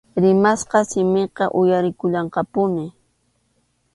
Rimasqa simiqa uyarikullanqapuni.